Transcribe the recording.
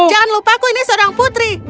jangan lupa aku ini seorang putri